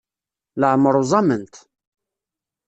Leɛmer uẓament.